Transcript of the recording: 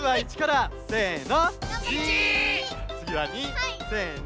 つぎは２せの！